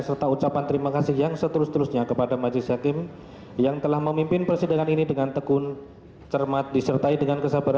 serta ucapan terima kasih yang sangat penting